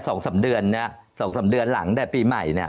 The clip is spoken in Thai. สองสามเดือนเนี่ยสองสามเดือนหลังแต่ปีใหม่เนี่ย